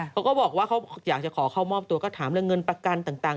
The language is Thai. เขาก็บอกว่าเขาอยากจะขอเข้ามอบตัวก็ถามเรื่องเงินประกันต่าง